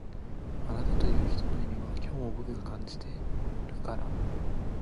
あなたという人の意味は今日も僕が感じてるから